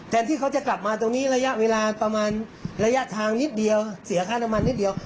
ที่เขาจะกลับมาตรงนี้ระยะเวลาประมาณระยะทางนิดเดียวเสียค่าน้ำมันนิดเดียว